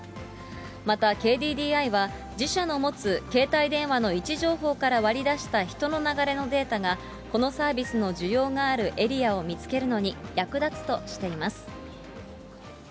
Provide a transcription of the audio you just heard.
またＫＤＤＩは、自社の持つ携帯電話の位置情報から割り出した人の流れのデータが、このサービスの需要があるエリアを見つけるのに役立つとしています。